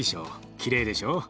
きれいでしょう？